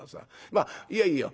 まあいやいいよ。